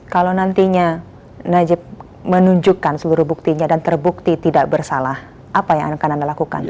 kalau nantinya najib menunjukkan seluruh buktinya dan terbukti tidak bersalah apa yang akan anda lakukan